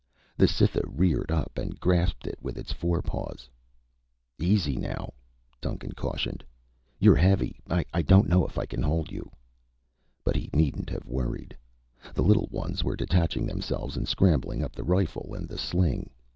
The Cytha reared up and grasped it with its forepaws. "Easy now," Duncan cautioned. "You're heavy. I don't know if I can hold you." But he needn't have worried. The little ones were detaching themselves and scrambling up the rifle and the sling.